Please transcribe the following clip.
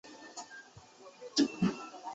片桐彩子是川口雅代唯一的配音代表角色。